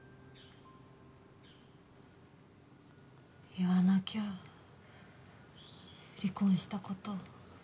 言わなきゃ離婚した事。